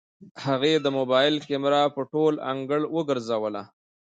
هغې د موبايل کمره په ټول انګړ وګرځوله.